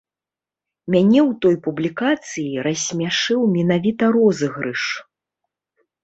Мяне ў той публікацыі рассмяшыў менавіта розыгрыш.